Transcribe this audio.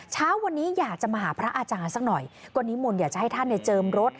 เช้าวันนี้อยากจะมาหาพระอาจารย์สักหน่อยก็นิมนต์อยากจะให้ท่านเนี่ยเจิมรถ